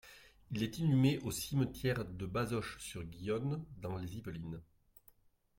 Il est inhumé au cimetière de Bazoches-sur-Guyonne dans les Yvelines.